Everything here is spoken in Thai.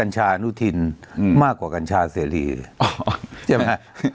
ออฮือมากกว่ากรรชาเซรีอย่างอ่ะ